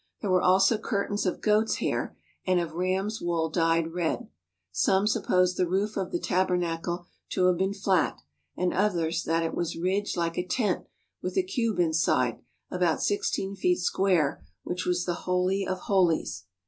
There were also curtains of goat's hair and of ram's wool dyed red. Some suppose the roof of the Tabernacle to have been flat, and others that it was ridged like a tent, with a cube inside about sixteen feet square, which was the Holy of Holies.